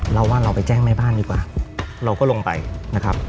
เราว่าเราไปแจ้งแม่บ้านดีกว่าเราก็ลงไปนะครับ